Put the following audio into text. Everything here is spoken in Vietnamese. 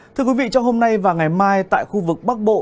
thưa quý vị trong hôm nay và ngày mai tại khu vực bắc bộ